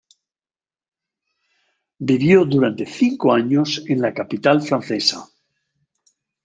Vivió durante cinco años en la capital francesa.